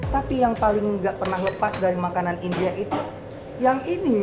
tapi yang paling nggak pernah lepas dari makanan india itu yang ini